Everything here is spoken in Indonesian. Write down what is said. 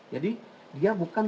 jadi dia bukan